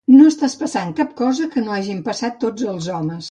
No estàs passant cap cosa que no hagin passat tots els homes.